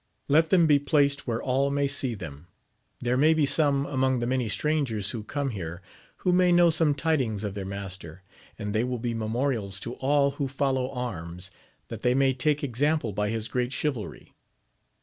Let them be placed Where all may see them ; there may be some among the many strangers who come here, who may know some tidings of their master, and they will be memorials to all who follow arms, that they may take example by his great chivalry.